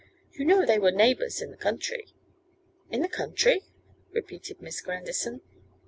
'You know they were neighbours in the country.' 'In the country!' repeated Miss Grandison.